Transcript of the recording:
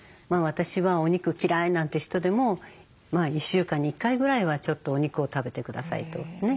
「私はお肉嫌い」なんて人でも１週間に１回ぐらいはちょっとお肉を食べてくださいと。